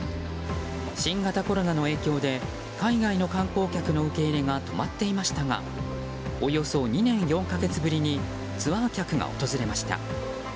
新型コロナの影響で海外の観光客の受け入れが止まっていましたがおよそ２年４か月ぶりにツアー客が訪れました。